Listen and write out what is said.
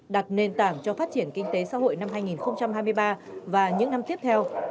đặt nền tảng cho phát triển kinh tế xã hội năm hai nghìn hai mươi ba và những năm tiếp theo